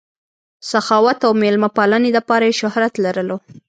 سخاوت او مېلمه پالنې دپاره ئې شهرت لرلو